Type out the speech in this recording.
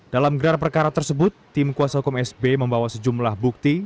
dalam gelar perkara tersebut tim kuasa hukum sb membawa sejumlah bukti